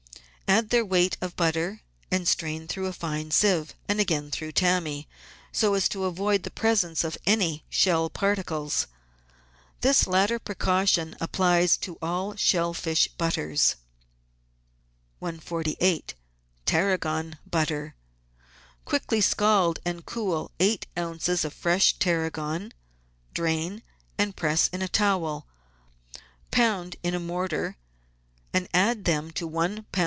Add their weight of butter, and strain through a fine sieve, and again through tammy, so as to avoid the presence of any shell particles. This latter precaution applies to all shell fish butters. 148 TARRAGON BUTTER Quickly scald and cool eight oz. of fresh tarragon, drain, press in a towel, pound in a mortar, and add to them one lb.